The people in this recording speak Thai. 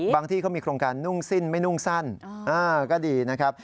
ที่เขามีโครงการนุ่งสิ้นไม่นุ่งสั้นก็ดีนะครับ